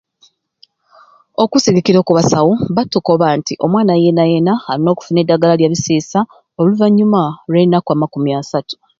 Okusigikira oku basawu battukoba nti omwana yeena yeena alina okufuna eddagala lya bisiisa oluvanyuma lwa ennaku amakumi asatu